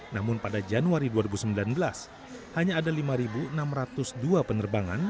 namun pada januari dua ribu sembilan belas hanya ada lima enam ratus dua penerbangan